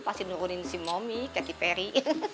pasti nurunin si mami katy perry